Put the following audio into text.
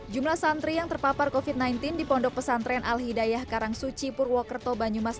jumlah arah yang terpapar unraveled dipondok pesantren alhidayah karangsuci purwokerto banyumas